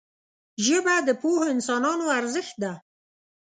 ژبه د پوهو انسانانو ارزښت ده